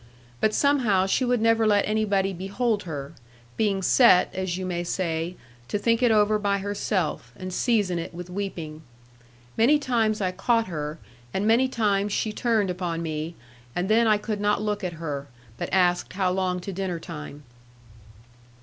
But somehow she would never let anybody behold her; being set, as you may say, to think it over by herself, and season it with weeping. Many times I caught her, and many times she turned upon me, and then I could not look at her, but asked how long to dinner time.